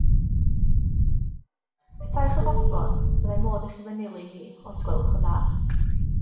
Petaech yn fodlon, fyddai modd i chi fy nilyn i, os gwelwch yn dda?